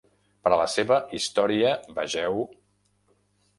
Per a la seva història vegeu: